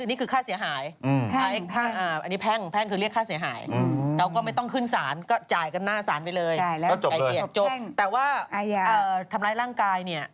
น่าสารไปเลยใกล้เกียจจบแต่ว่าทำร้ายร่างกายเนี่ย